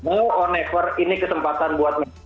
no one ever ini kesempatan buat messi